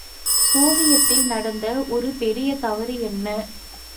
சோவியத்தில் நடந்த ஒரு பெரிய தவறு என்ன?